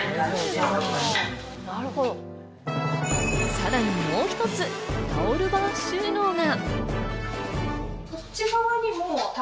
さらにもう一つ、タオルバー収納が。